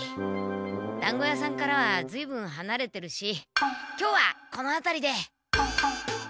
だんご屋さんからはずいぶんはなれてるし今日はこのあたりで。